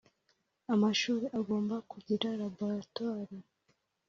Amashuri agomba kugira laboratwari